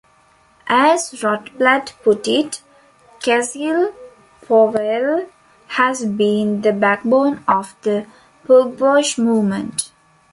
As Rotblat put it, Cecil Powell has been the backbone of the Pugwash Movement.